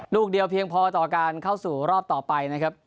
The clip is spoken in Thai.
ลูกเดียวเพียงพอต่อการเข้าสู่รอบต่อไปนะครับ